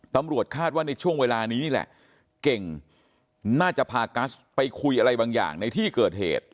ตำรวจคาดว่าในช่วงเวลานี้นี่แหละเก่งน่าจะพากัสไปคุยอะไรบางอย่างในที่เกิดเหตุ